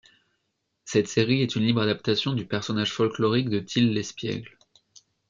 Cette série est une libre adaptation du personnage folklorique de Till l'Espiègle.